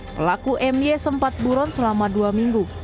pelaku my sempat buron selama dua minggu